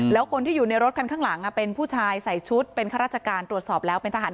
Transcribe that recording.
ไปดูคลิปกันก่อนค่ะ